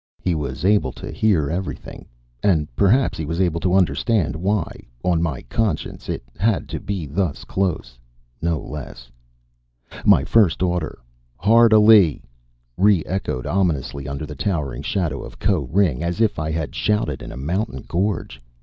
He was able to hear everything and perhaps he was able to understand why, on my conscience, it had to be thus close no less. My first order "Hard alee!" re echoed ominously under the towering shadow of Koh ring as if I had shouted in a mountain gorge.